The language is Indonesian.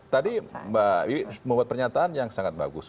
tadi mbak wiwi membuat pernyataan yang sangat bagus